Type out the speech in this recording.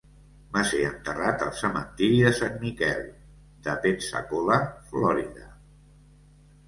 Va ser enterrat al cementiri de Sant Miquel, de Pensacola, Florida.